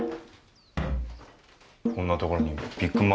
こんなところにビッグマザーが。